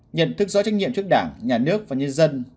nhận thức rõ trách nhiệm trước đảng nhà nước và nhân dân